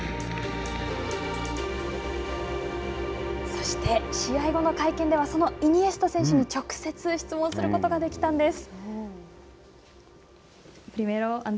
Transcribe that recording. そして、試合後の会見ではそのイニエスタ選手に直接質問することができたんです。